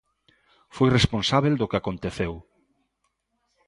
Foi responsábel do que aconteceu.